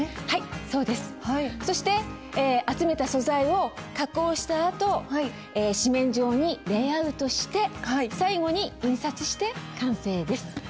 はいそうです。そして集めた素材を加工したあと紙面上にレイアウトして最後に印刷して完成です。